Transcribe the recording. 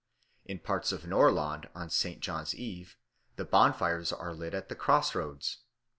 In parts of Norrland on St. John's Eve the bonfires are lit at the cross roads.